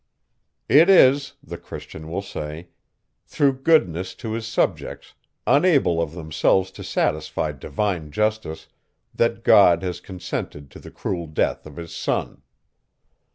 "It is," the Christian will say, "through goodness to his subjects, unable of themselves to satisfy divine justice, that God has consented to the cruel death of his son."